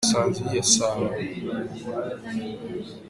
Usanze iyihe sano